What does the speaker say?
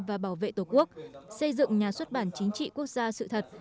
và bảo vệ tổ quốc xây dựng nhà xuất bản chính trị quốc gia sự thật